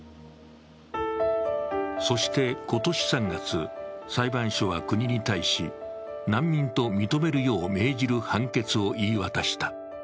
そして今年３月、裁判所は国に対し難民と認めるよう命じる判決を言い渡した。